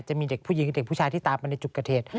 จะมีเด็กผู้หญิงเด็กผู้ชายที่ตามไปในจุกเกษ